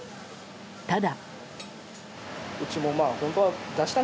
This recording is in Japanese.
ただ。